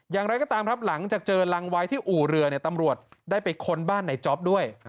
อย่างไรก็ตามครับหลังจากเจอรังไว้ที่อู่เรือตำรวจได้ไปค้นบ้านในจ๊อปด้วย